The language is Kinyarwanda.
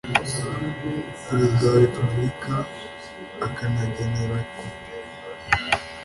perezida wa repubulika akagenera kopi